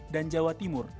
dan jawa timur